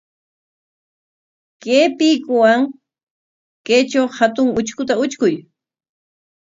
Kay piikuwan kaytraw hatun utrkuta utrkuy.